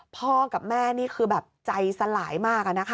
พ่อกับแม่นี่คือใจสลายมาก